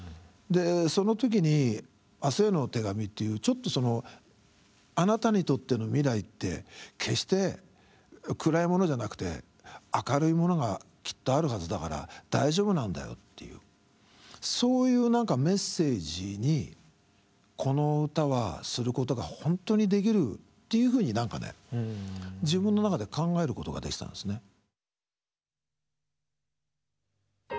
でその時に「明日への手紙」っていうちょっとそのあなたにとっての未来って決して暗いものじゃなくて明るいものがきっとあるはずだから大丈夫なんだよっていうそういう何かメッセージにこの歌はすることが本当にできるっていうふうに何かね自分の中で考えることができたんですね。